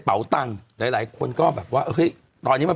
เป็นการกระตุ้นการไหลเวียนของเลือด